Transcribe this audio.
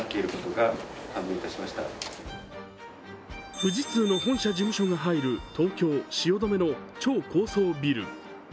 富士通の本社事務所が入る東京・汐留の超高層ビル。